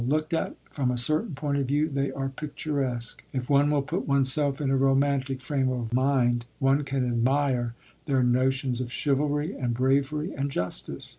Looked at from a certain point of view, they are picturesque. If one will put oneself in a romantic frame of mind, one can admire their notions of chivalry and bravery and justice.